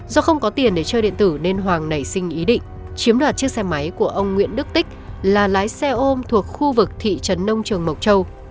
do không có tiền để chơi điện tử nên hoàng nảy sinh ý định chiếm đoạt chiếc xe máy của ông nguyễn đức tích là lái xe ôm thuộc khu vực thị trấn nông trường mộc châu